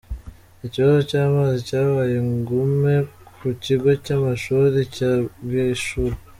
Ikibazo cy’amazi cyabaye ingume ku kigo cy’amashuri cya Bwishura